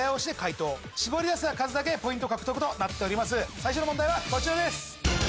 最初の問題はこちらです。